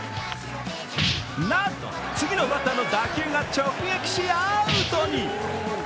なんと次のバッターの打球が直撃し、アウトに。